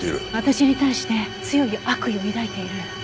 私に対して強い悪意を抱いている。